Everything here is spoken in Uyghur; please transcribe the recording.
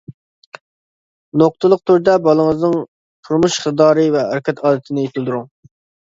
نۇقتىلىق تۈردە بالىڭىزنىڭ تۇرمۇش ئىقتىدارى ۋە ھەرىكەت ئادىتىنى يېتىلدۈرۈڭ.